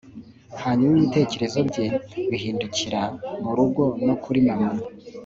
hanyuma ibitekerezo bye bihindukira murugo no kuri mama